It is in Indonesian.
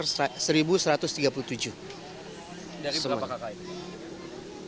dari berapa kakak ini